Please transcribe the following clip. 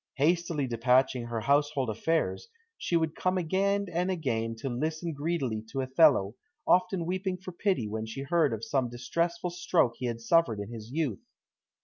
Hastily despatching her household affairs, she would come again and again to listen greedily to Othello, often weeping for pity when she heard of some distressful stroke he had suffered in his youth.